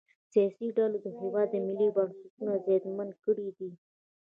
سیاسي ډلو د هیواد ملي بنسټونه زیانمن کړي دي